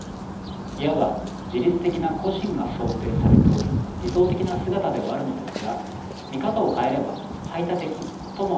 いわば自律的な個人が想定されており理想的な姿ではあるのですが見方を変えれば排他的とも言えます。